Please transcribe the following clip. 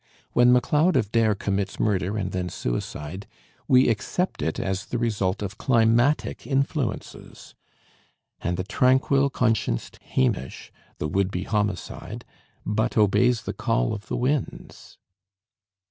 When Macleod of Dare commits murder and then suicide, we accept it as the result of climatic influences; and the tranquil conscienced Hamish, the would be homicide, but obeys the call of the winds.